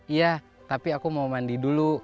iya tapi aku mau mandi dulu